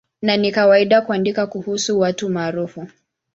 Na ni kawaida kuandika kuhusu watu maarufu.